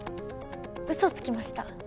うそつきました。